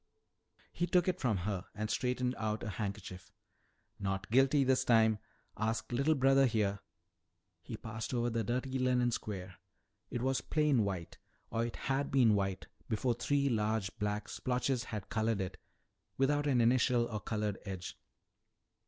He took it from her and straightened out a handkerchief. "Not guilty this time. Ask little brother here." He passed over the dirty linen square. It was plain white or it had been white before three large black splotches had colored it without an initial or colored edge.